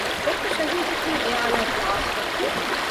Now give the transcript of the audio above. ޑޮކްޓަރ ޝަހީދަކީ އެޢާއިލާގެ ޚާއްޞަ ޑޮކްޓަރެއް